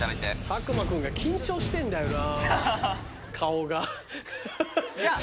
佐久間君が緊張してんだよな顔が。